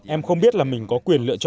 em không biết là mình sẽ được giúp đỡ